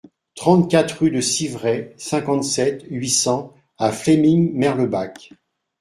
trente-quatre rue de Civray, cinquante-sept, huit cents à Freyming-Merlebach